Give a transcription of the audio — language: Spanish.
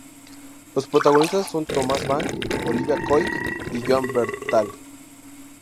Los protagonistas son Thomas Mann, Olivia Cooke y Jon Bernthal.